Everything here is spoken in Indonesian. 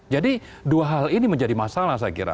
jadi dua hal ini menjadi masalah saya kira